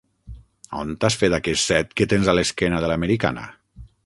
On t'has fet aquest set que tens a l'esquena de l'americana?